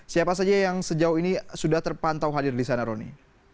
siapa saja yang sejauh ini sudah terpantau hadir di sana roni